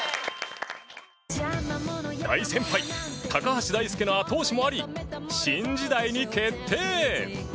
大先輩高橋大輔の後押しもあり「新時代」に決定。